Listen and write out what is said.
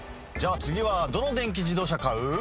じゃ次はどの電気自動車買う？